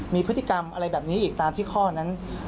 มีพฤติกรรมอะไรแบบนี้อีกตามที่ข้อนั้น